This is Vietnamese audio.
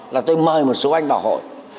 là tôi mời một số anh vào hội